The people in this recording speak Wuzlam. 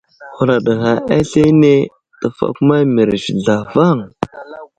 Huraɗ ghay aslane təfakuma mərəz zlavaŋ.